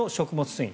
繊維